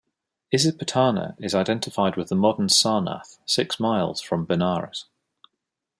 Isipatana is identified with the modern Sarnath, six miles from Benares.